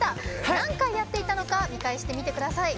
何回やっていたのか見返してみてください。